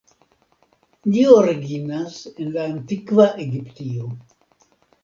Ĝi originas en la antikva Egiptio.